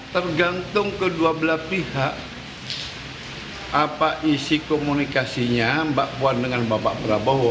tergantung kedua belah pihak apa isi komunikasinya mbak puan dengan bapak prabowo